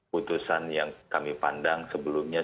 putusan yang kami pandang sebelumnya